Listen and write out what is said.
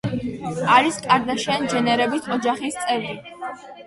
არის კარდაშიან-ჯენერების ოჯახის წევრი.